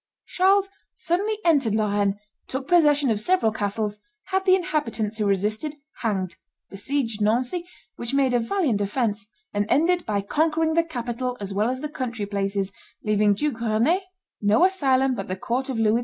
Charles suddenly entered Lorraine, took possession of several castles, had the inhabitants who resisted hanged, besieged Nancy, which made a valiant defence, and ended by conquering the capital as well as the country places, leaving Duke Rene no asylum but the court of Louis XI.